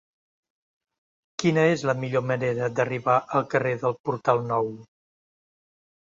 Quina és la millor manera d'arribar al carrer del Portal Nou?